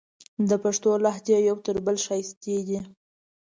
د پښتو لهجې یو تر بلې ښایستې دي.